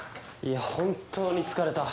いや本当に疲れた。